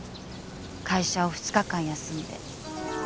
会社を２日間休んで。